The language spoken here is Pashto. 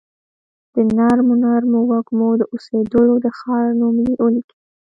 د نرمو نرمو وږمو، د اوسیدولو د ښار نوم ولیکي